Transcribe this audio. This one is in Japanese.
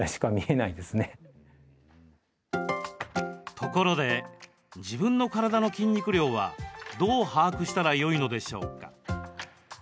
ところで、自分の体の筋肉量はどう把握したらよいのでしょうか。